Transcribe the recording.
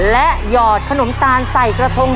และหยอดขนมตาลใส่กระทง